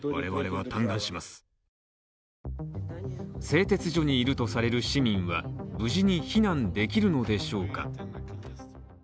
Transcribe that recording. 製鉄所にいるとされる市民は無事に避難できるのでしょうか？